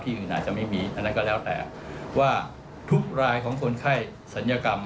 อื่นอาจจะไม่มีอันนั้นก็แล้วแต่ว่าทุกรายของคนไข้ศัลยกรรม